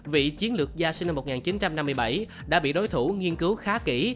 vị chiến lược gia sinh năm một nghìn chín trăm năm mươi bảy đã bị đối thủ nghiên cứu khá kỹ